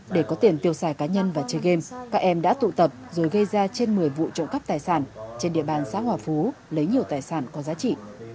để có tiền tiêu xài cá nhân và chơi game các em đã tụ tập rồi gây ra trên một mươi vụ trộm cắp tài sản trên địa bàn xã hòa phú lấy nhiều tài sản có giá trị